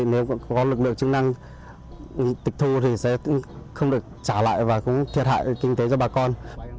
nếu có lực lượng chức năng tịch thu thì sẽ không được trả lại và cũng thiệt hại kinh tế cho bà con